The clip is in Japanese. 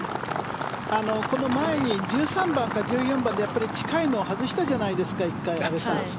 この前に１３番か１４番で近いのを外したじゃないですか１回。